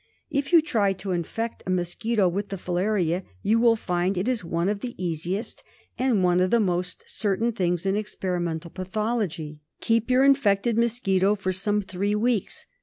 If you try to infect a mosquito with the filaria, you will find it is one of the easiest and one of the most certain things in experimental pathology. Keep your infected mosquito for some three weeks.